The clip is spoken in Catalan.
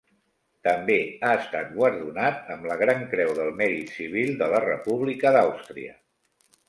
També ha estat guardonada amb la Gran Creu del Mèrit Civil de la República d'Àustria.